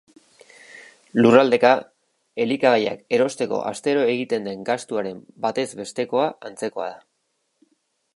Lurraldeka, elikagaiak erosteko astero egiten den gastuaren batez bestekoa antzekoa da.